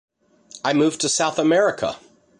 I moved to South America!